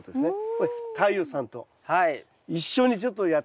これ太陽さんと一緒にちょっとやってみて下さい。